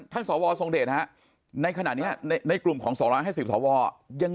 ท่านสอวอร์ทรงเดชนะครับในขณะเนี่ยในกลุ่มของสอร้างให้ศิษย์สอวอร์